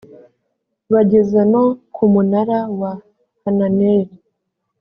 bageza no ku munara wa hananeli